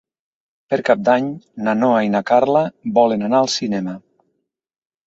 Per Cap d'Any na Noa i na Carla volen anar al cinema.